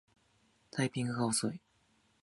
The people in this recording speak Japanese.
タイピングが遅い